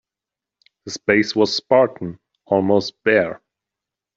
The space was spartan, almost bare.